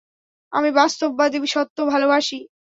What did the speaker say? আমি বাস্তববাদী-সত্য ভালোবাসি।